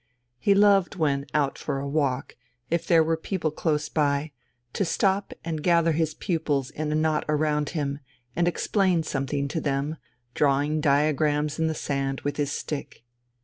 He loved when out for a walk, if there were people close by, to stop and gather his pupils in a knot around him and explain something to them, drawing diagrams in the sand with his stick.